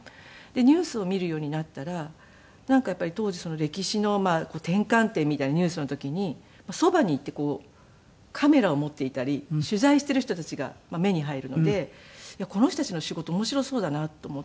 ニュースを見るようになったらなんかやっぱり当時歴史の転換点みたいなニュースの時にそばに行ってカメラを持っていたり取材している人たちが目に入るのでこの人たちの仕事面白そうだなと思って。